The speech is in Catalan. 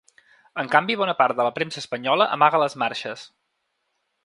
En canvi, bona part de la premsa espanyola amaga les marxes.